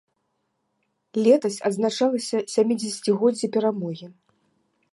Летась адзначалася сямідзесяцігоддзе перамогі.